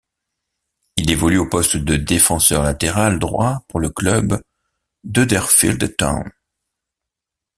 Il évolue au poste de défenseur latéral droit pour le club d'Huddersfield Town.